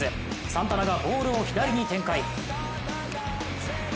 サンタナがボールを左に展開。